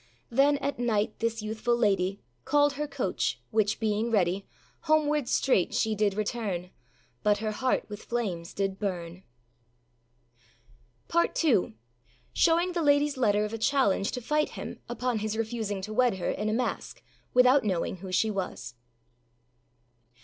Then, at night, this youthful lady Called her coach, which being ready, Homewards straight she did return; But her heart with flames did burn. PART II. SHOWING THE LADYâS LETTER OF A CHALLENGE TO FIGHT HIM UPON HIS REFUSING TO WED HER IN A MASK, WITHOUT KNOWING WHO SHE WAS.